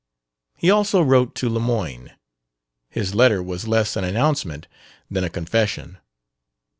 He also wrote to Lemoyne. His letter was less an announcement than a confession.